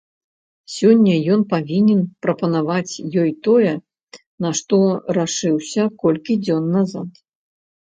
Сёння ён павінен прапанаваць ёй тое, на што рашыўся колькі дзён назад.